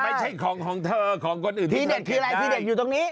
ไม่ใช่ของเธอของคนอื่นที่เราเคลี่ยมอยู่ตรงนี้